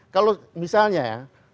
kalau misalnya ya